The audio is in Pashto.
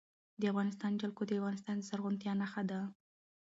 د افغانستان جلکو د افغانستان د زرغونتیا نښه ده.